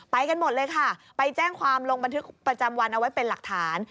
กันหมดเลยค่ะไปแจ้งความลงบันทึกประจำวันเอาไว้เป็นหลักฐาน